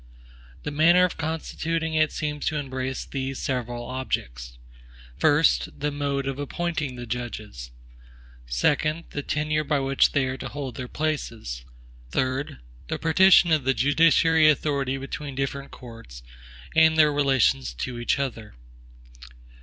The manner of constituting it seems to embrace these several objects: 1st. The mode of appointing the judges. 2d. The tenure by which they are to hold their places. 3d. The partition of the judiciary authority between different courts, and their relations to each other.